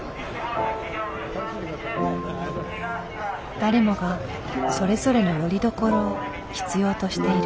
誰もがそれぞれのよりどころを必要としている。